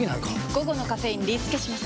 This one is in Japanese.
午後のカフェインリスケします！